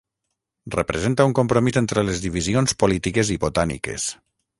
Representa un compromís entre les divisions polítiques i botàniques.